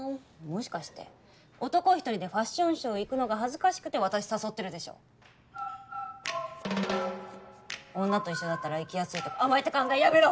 もしかして男１人でファッションショー行くのが恥ずかしくて私誘ってるでしょ女と一緒だったら行きやすいとか甘えた考えやめろ！